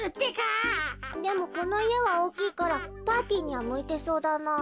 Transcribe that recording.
でもこのいえはおおきいからパーティーにはむいてそうだなあ。